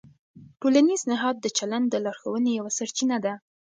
ټولنیز نهاد د چلند د لارښوونې یوه سرچینه ده.